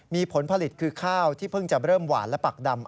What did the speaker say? มีผลผลิตคือข้าวที่เพิ่งจะเริ่มหวานและปักดำ